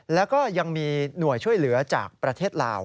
แล้วก็ยังมีหน่วยช่วยเหลือจากประเทศลาว